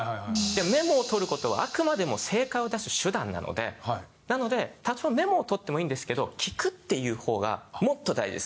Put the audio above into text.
メモを取る事はあくまでも成果を出す手段なのでなので多少メモを取ってもいいんですけど聞くっていう方がもっと大事です。